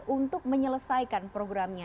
untuk menyelesaikan programnya